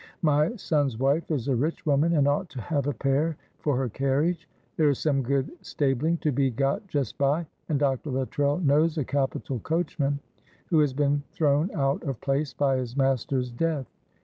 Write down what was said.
My son's wife is a rich woman, and ought to have a pair for her carriage. There is some good stabling to be got just by, and Dr. Luttrell knows a capital coachman who has been thrown out of place by his master's death.